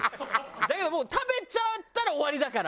だけどもう食べちゃったら終わりだから。